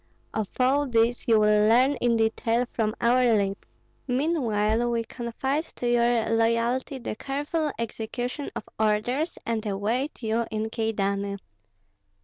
Of all this you will learn in detail from our lips; meanwhile we confide to your loyalty the careful execution of orders, and await you in Kyedani.